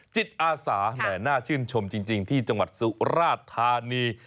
จิตอาสาแหมน่าชื่นชมจริงที่จังหวัดสุราธานี